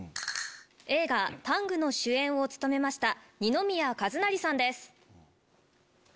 映画『ＴＡＮＧタング』の主演を務めました二宮和也さんです。